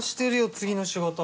次の仕事。